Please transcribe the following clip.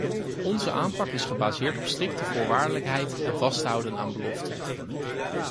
Onze aanpak is gebaseerd op strikte voorwaardelijkheid en vasthouden aan beloften.